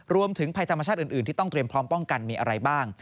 รวมถึงภัยธรรมชาติอื่นที่ต้องเตรียมพร้อมป้องกันมีอะไรบ้าง